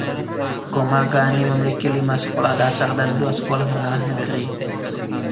Komagane memiliki lima sekolah dasar dan dua sekolah menengah negeri.